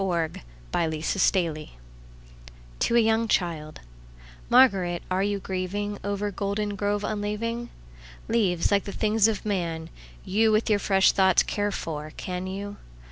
Spring and Fall to a young childMÁRGARÉT, áre you gríevingOver Goldengrove unleaving? Leáves, líke the things of man, youWith your fresh thoughts care for, can you?